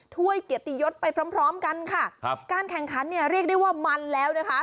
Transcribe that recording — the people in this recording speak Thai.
ถ้วยเกียรติยศไปพร้อมพร้อมกันค่ะครับการแข่งขันเนี่ยเรียกได้ว่ามันแล้วนะคะ